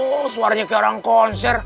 oh suaranya kayak orang konser